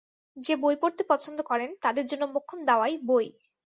যে বই পড়তে পছন্দ করেন তাঁদের জন্য মোক্ষম দাওয়াই বই।